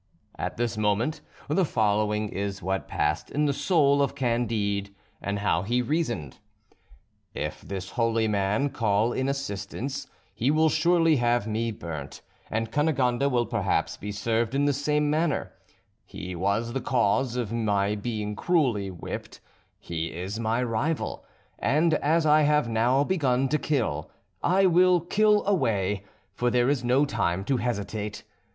At this moment, the following is what passed in the soul of Candide, and how he reasoned: If this holy man call in assistance, he will surely have me burnt; and Cunegonde will perhaps be served in the same manner; he was the cause of my being cruelly whipped; he is my rival; and, as I have now begun to kill, I will kill away, for there is no time to hesitate.